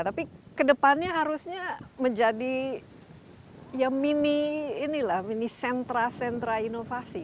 tapi kedepannya harusnya menjadi ya mini sentra sentra inovasi